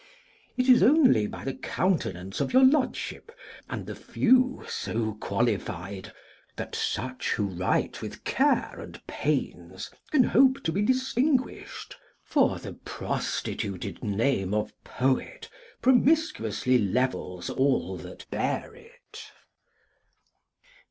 It is only by the countenance of your lordship, and the few so qualified, that such who write with care and pains can hope to be distinguished: for the prostituted name of poet promiscuously levels all that bear it.